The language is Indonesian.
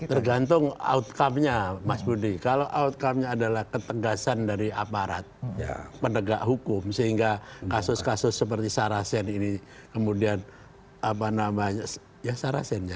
tergantung outcome nya mas budi kalau outcome nya adalah ketegasan dari aparat penegak hukum sehingga kasus kasus seperti sarasen ini kemudian apa namanya ya sarasen ya